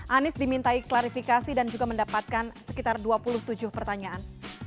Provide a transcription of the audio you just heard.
anies dimintai klarifikasi dan juga mendapatkan sekitar dua puluh tujuh pertanyaan